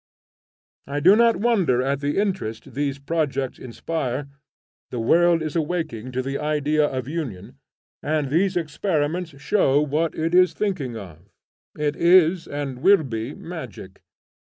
I do not wonder at the interest these projects inspire. The world is awaking to the idea of union, and these experiments show what it is thinking of. It is and will be magic.